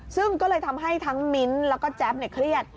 ซึ่งก็เลยทำให้ทั้งมิ้นท์แล้วก็แจ๊บเครียด